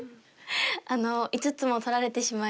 ５つも取られてしまい